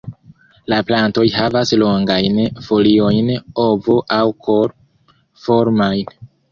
La plantoj havas longajn foliojn ovo- aŭ kor-formajn.